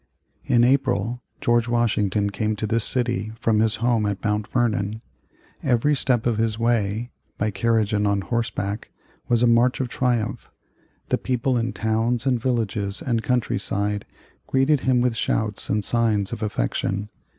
In April George Washington came to this city from his home at Mount Vernon. Every step of his way, by carriage and on horseback, was a march of triumph. The people in towns and villages and countryside greeted him with shouts and signs of affection.